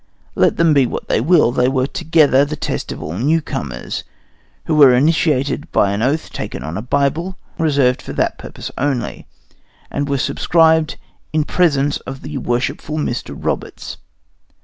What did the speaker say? Let them be what they will, they were together the test of all newcomers, who were initiated by an oath taken on a Bible, reserved for that purpose only, and were subscribed to in presence of the worshipful Mr. Roberts.